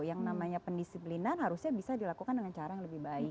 yang namanya pendisiplinan harusnya bisa dilakukan dengan cara yang lebih baik